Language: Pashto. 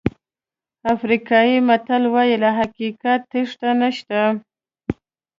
افریقایي متل وایي له حقیقت تېښته نشته.